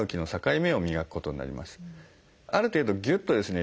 ある程度ぎゅっとですね